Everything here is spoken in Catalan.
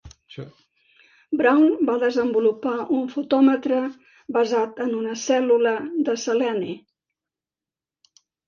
Brown va desenvolupar un fotòmetre basat en una cèl·lula de seleni.